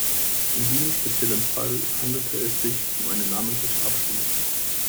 In diesem speziellen Fall handelte es sich um eine namentliche Abstimmung.